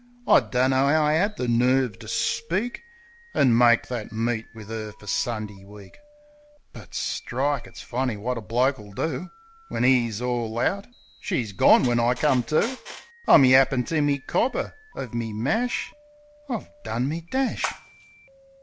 I dunno 'ow I 'ad the nerve ter speak, An' make that meet wiv 'er fer Sundee week! But strike! It's funny wot a bloke '11 do When 'e's all out. ... She's gorn, when I come to. I'm yappin' to me cobber uv me mash. ... I've done me dash!